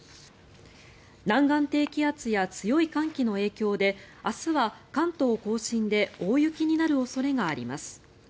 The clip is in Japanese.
南岸低気圧や強い寒気の影響で明日は、関東・甲信で大雪になる恐れがあります。